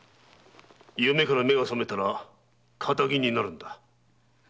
夢から目が覚めたら堅気になるのだ。